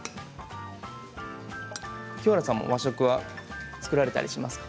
清原さんも和食は作りますか？